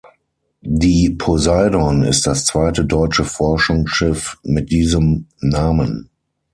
Die "Poseidon" ist das zweite deutsche Forschungsschiff mit diesem Namen.